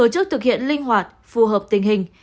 sức thực hiện linh hoạt phù hợp tình hình